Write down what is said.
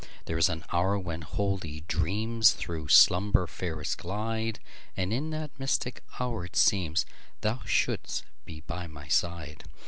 There is an hour when holy dreamsThrough slumber fairest glide; And in that mystic hour it seemsThou shouldst be by my side.